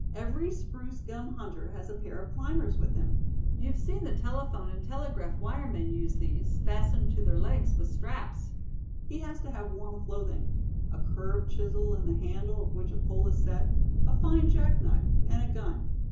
"Every spruce gum hunter has a pair of climbers with him. You've seen the telephone and telegraph wire men use these, fastened to their legs with straps. He has to have warm clothing; a curved chisel, in the handle of which a pole is set; a fine jack knife; and a gun.